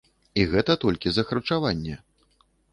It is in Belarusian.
І гэта толькі за харчаванне.